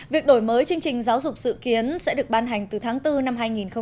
việc đổi mới chương trình giáo dục dự kiến sẽ được ban hành từ tháng bốn năm hai nghìn hai mươi